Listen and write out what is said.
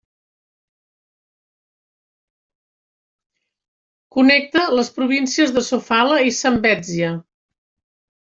Connecta les províncies de Sofala i Zambézia.